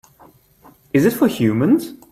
Is it for humans?